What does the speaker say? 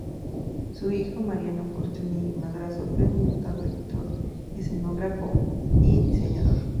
Su hijo Mariano Fortuny y Madrazo fue un notable pintor, escenógrafo y diseñador.